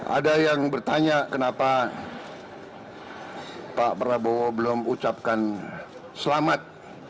ada yang bertanya kenapa pak prabowo belum ucapkan selamat